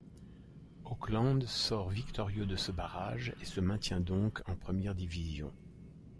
Auckland sort victorieux de ce barrage et se maintient donc en première division.